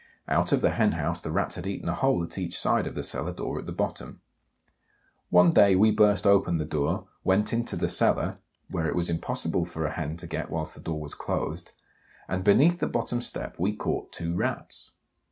Out of the hen house the Rats had eaten a hole at each side of the cellar door at the bottom. One day we burst open the door, went into the cellar (where it was impossible for a hen to get whilst the door was closed) and beneath the bottom step we caught two Rats.